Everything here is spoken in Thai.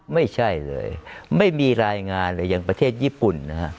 ไม่ใช่เลยไม่มีรายงานเลยอย่างประเทศญี่ปุ่นนะฮะ